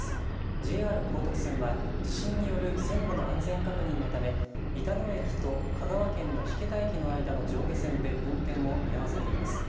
ＪＲ高徳線は、地震による線路の安全確認のため板野駅と香川県の引田駅の間の上下線で運転を見合わせています。